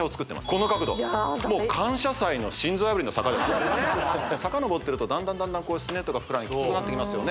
この角度もう「感謝祭」の心臓破りの坂ですから坂上ってるとだんだんスネとかふくらはぎきつくなってきますね